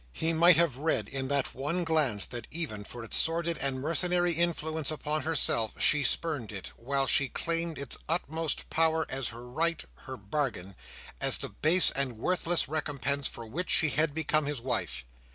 He might have read in that one glance that even for its sordid and mercenary influence upon herself, she spurned it, while she claimed its utmost power as her right, her bargain—as the base and worthless recompense for which she had become his wife.